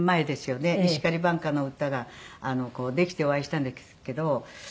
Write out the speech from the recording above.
『石狩挽歌』の歌ができてお会いしたんですけど。